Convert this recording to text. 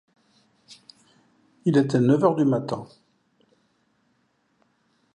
Il était neuf heures du matin.